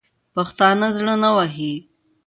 پښتانه زړه نه وهي.